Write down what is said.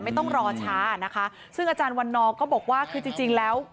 ไม่ต้องรอช้านะคะซึ่งอาจารย์วันนอร์ก็บอกว่าคือจริงจริงแล้ว